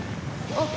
あっ！